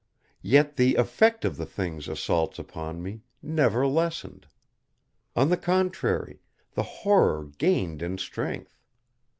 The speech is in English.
Yet the effect of the Thing's assaults upon me never lessened. On the contrary, the horror gained in strength.